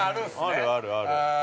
◆あるあるある。